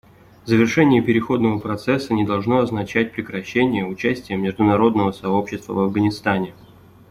Завершение переходного процесса не должно означать прекращения участия международного сообщества в Афганистане.